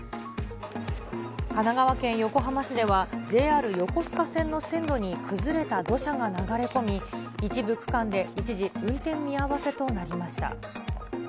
神奈川県横浜市では、ＪＲ横須賀線の線路に崩れた土砂が流れ込み、一部区間で一時、運転見合わせとなりました。